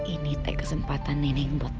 ini tak kesempatan nenek buat berbicara